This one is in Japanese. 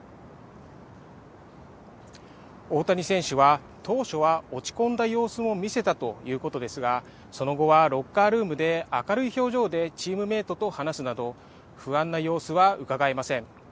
大谷選手は当初は落ち込んだ様子も見せたということですがその後はロッカールームで明るい表情でチームメートと話すなど不安な様子はうかがえません。